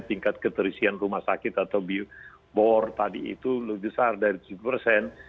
tingkat keterisian rumah sakit atau biobor tadi itu lebih besar dari tujuh persen